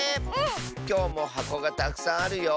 きょうもはこがたくさんあるよ。